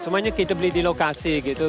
semuanya kita beli di lokasi gitu